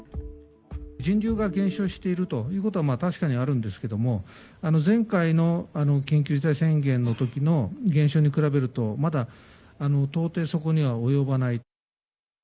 人流が減少しているということは確かにあるんですけれども、前回の緊急事態宣言のときの減少に比べると、まだ到底そこには及ばない。